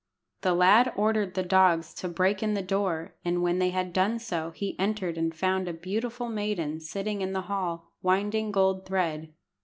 The lad ordered the dogs to break in the door, and when they had done so he entered and found a beautiful maiden sitting in the hall, winding gold thread.